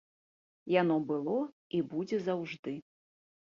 Яно было і будзе заўжды.